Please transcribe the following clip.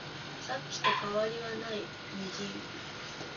さっきと変わりはない、無人